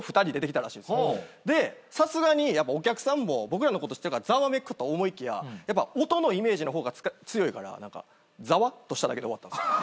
でさすがにやっぱお客さんも僕らのこと知ってるからざわめくと思いきややっぱ音のイメージの方が強いからざわっとしただけで終わったんすよ。